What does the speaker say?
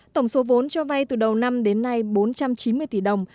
tổng số vốn cho vay từ đầu năm đến nay bốn trăm chín mươi tỷ đồng